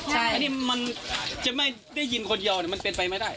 อันนี้มันจะไม่ได้ยินคนยอมันเป็นไปไม่ได้